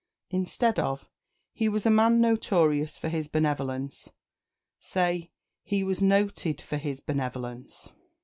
Instead of "He was a man notorious for his benevolence," say "He was noted for his benevolence."